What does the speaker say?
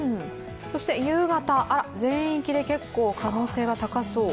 そして夕方、全域で可能性が高そう。